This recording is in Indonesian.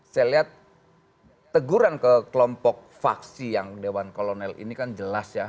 saya lihat teguran ke kelompok faksi yang dewan kolonel ini kan jelas ya